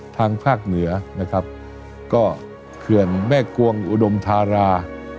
ทางภาคเหนือนะครับก็เขื่อนแม่กวงอุดมธารา